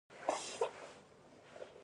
د نوي شیانو زده کړه وکړئ